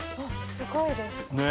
すごいです。